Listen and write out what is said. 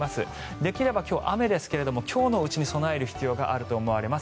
できれば今日、雨ですが今日のうちに備える必要があると思います。